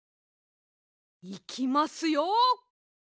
いきますよ。